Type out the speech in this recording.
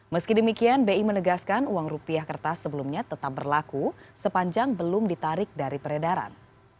meski demikian bi menegaskan uang rupiah kertas sebelumnya tetap berlaku sepanjang belum ditarik dari peredaran